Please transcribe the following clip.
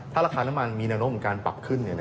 ถ้าราคาน้ำมันมีแนวโน้มการปรับขึ้นนะครับ